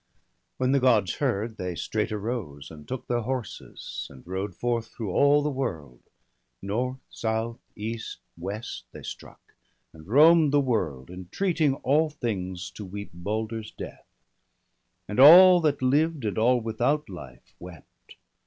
When the Gods heard, they straight arose, and took Their horses, and rode forth through all the world. North, south, east, west, they struck, and roam'd the world. Entreating all things to weep Balder's death. And all that lived, and all without life, wept.